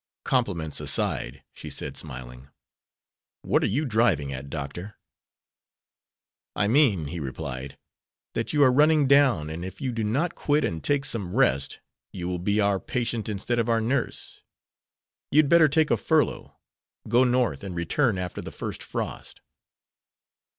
"Compliments aside," she said, smiling; "what are you driving at, Doctor?" "I mean," he replied, "that you are running down, and if you do not quit and take some rest you will be our patient instead of our nurse. You'd better take a furlough, go North, and return after the first frost."